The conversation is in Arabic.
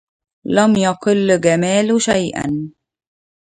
لم يقل جمال شيئا.